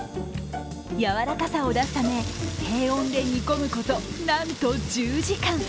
柔らかさを出すため低温で煮込むこと、なんと１０時間。